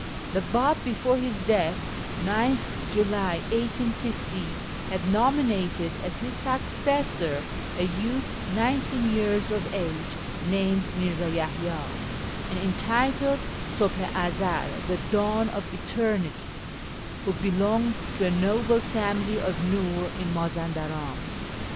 The Bab, before his death (9th July 1850), had nominated as his successor a youth nineteen years of age named Mirza Yaliya, and entitled Subh i Ezel ("The Dawn of Eternity"), who belonged to a noble family of Nur in Mazan daran.